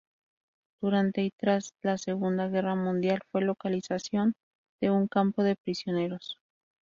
Durante y tras la Segunda Guerra Mundial, fue localización de un campo de prisioneros.